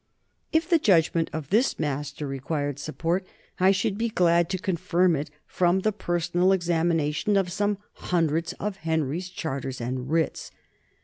If the judgment of this master required support, I should be glad to confirm it from the personal examination of some hundreds of Henry's charters and writs.